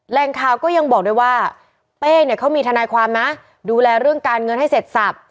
แรงข่าวก็ยังบอกด้วยว่าเป้เนี่ยเขามีทนายความนะดูแลเรื่องการเงินให้เสร็จสับ